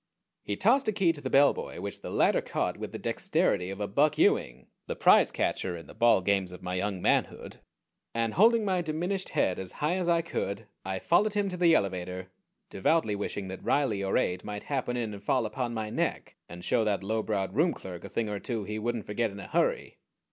He tossed a key to the bellboy, which the latter caught with the dexterity of a Buck Ewing, the prize catcher in the ball games of my young manhood, and holding my diminished head as high as I could I followed him to the elevator, devoutly wishing that Riley or Ade might happen in and fall upon my neck, and show that low browed room clerk a thing or two he wouldn't forget in a hurry.